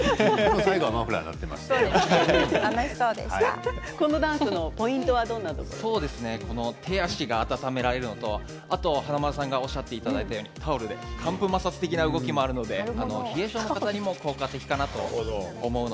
最後はマフラーにこのダンスのポイントは手足が温められるのと華丸さんもおっしゃっていただいたようにタオルで乾布摩擦的な動きもあるので冷え性の方にも効果的だと思います。